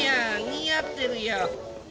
似合ってるよ。